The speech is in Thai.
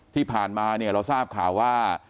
ที่ผ่านมาเนี่ยเราทราบข่าวว่า